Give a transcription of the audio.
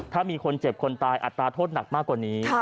ถ้ามีคนเจ็บคนตายอัตราโทษหนักมากกว่านี้